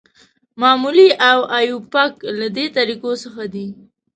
معمولي او ایوپاک له دې طریقو څخه دي.